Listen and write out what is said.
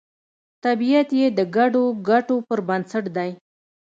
طبیعت یې د ګډو ګټو پر بنسټ دی